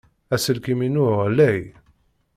Aselkim-inu ɣlay.